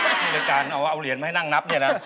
โอ้โฮนี่แหละการเอาเหรียญมาให้นั่งนับนี่นะ